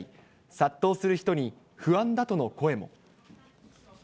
殺到する人に不安だとの声も。